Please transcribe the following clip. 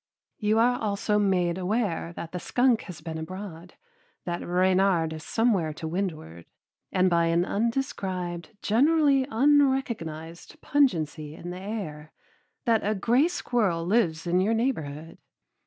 You are also made aware that the skunk has been abroad, that reynard is somewhere to windward, and by an undescribed, generally unrecognized, pungency in the air that a gray squirrel lives in your neighborhood.